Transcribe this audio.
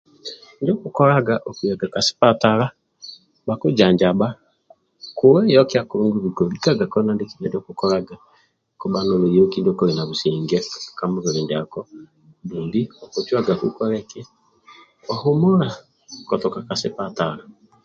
Ndio okukolaga okuyaga ka sipatala bhakujanjabha kuweyokia kulungi obika olikaga okola kima ndiekina ndio okukolaga kobha nolweyoki ndio koli na businge ka mubili ndiako dumbi okucuagaku okole eki ohumula kotuka ka sipatala.